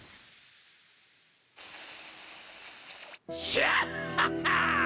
シャッハハ！